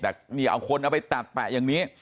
แต่นี่เอาคนเอาไปตัดแปะอย่างนี้